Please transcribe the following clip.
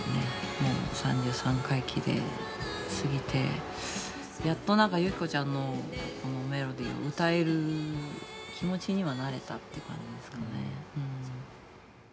もう３３回忌で過ぎてやっと有希子ちゃんのメロディーを歌える気持ちにはなれたって感じですかね。